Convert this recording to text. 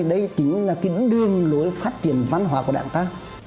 đây chính là cái đường lối phát triển văn hóa của đảng ta